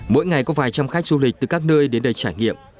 mỗi ngày có vài trăm khách du lịch từ các nơi đến đây trải nghiệm